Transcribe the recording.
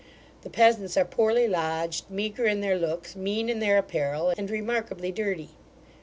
The peasants are poorly lodged, meagre in their looks, mean in their apparel, and remarkably dirty.